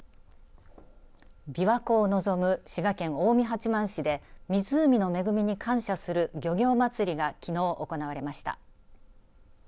びわ湖を望む滋賀県近江八幡市で湖の恵みに感謝する漁業まつりがきのう行われました。